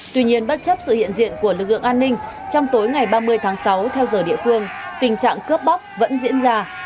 tuy nhiên bất chấp sự hiện diện của lực lượng an ninh trong tối ngày ba mươi tháng sáu theo giờ địa phương tình trạng cướp bóc vẫn diễn ra